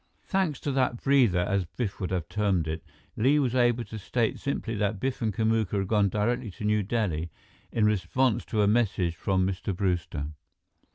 Thanks to that breather, as Biff would have termed it, Li was able to state simply that Biff and Kamuka had gone directly to New Delhi in response to a message from Mr. Brewster.